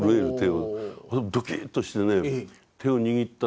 ドキッとしてね手を握った時にね